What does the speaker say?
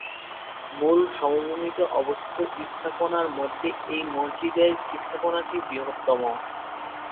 মূল সমভূমিতে অবস্থিত স্থাপনার মধ্যে এই মসজিদের স্থাপনাটি বৃহত্তম।